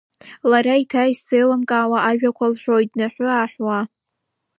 Лара еиҭа исзеилымкаауа ажәақәак лҳәоит, днаҳәы-ааҳәуеит.